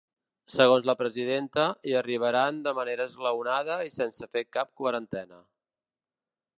Segons la presidenta, hi arribaran de manera esglaonada i sense fer cap quarantena.